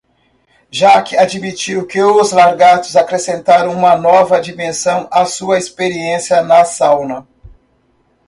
Jack admitiu que os lagartos acrescentaram uma nova dimensão à sua experiência na sauna.